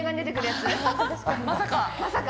まさか？